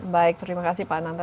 baik terima kasih pak ananto